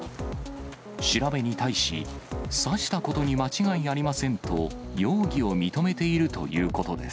調べに対し、刺したことに間違いありませんと、容疑を認めているということです。